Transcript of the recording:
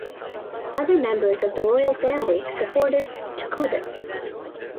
Other members of the royal family supported Tekuder.